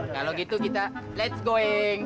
kalau gitu kita let's going